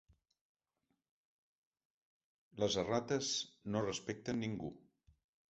Les errates no respecten ningú.